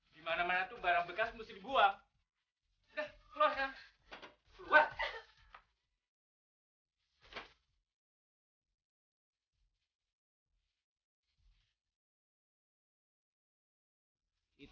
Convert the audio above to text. dimana mana tuh barang bekas mesti dibuang